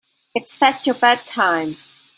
It's past your bedtime.